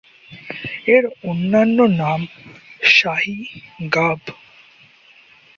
এর অন্যান্য নাম স্যাহী, গাব।